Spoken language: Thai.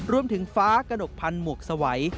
รวมถึงฟ้ากระหนกพันธุ์หมวกสวัย